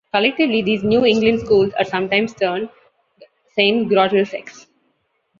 Collectively, these New England schools are sometimes termed Saint Grottlesex.